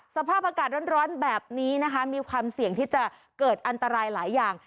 สภาพอากาศร้อนแบบนี้นะคะมีความเสี่ยงที่จะเกิดอันตรายหลายอย่าง